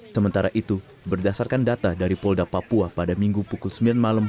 sementara itu berdasarkan data dari polda papua pada minggu pukul sembilan malam